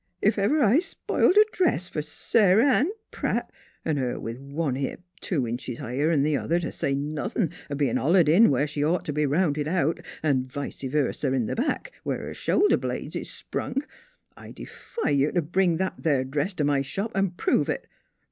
" Ef ever I spiled a dress f'r Sar'Ann Pratt an' her with one hip two inches higher 'n the other, t' say nothin' of bein' hollered in where she'd ought t' be rounded out, an' vice verser in th' back, where her shoulder blades is sprung I defy you t' bring that there dress t' my shop an' prove it.